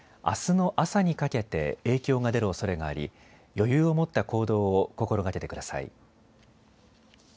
あすの朝にかけて影響が出るおそれがあり余裕を持った行動を心がけてください。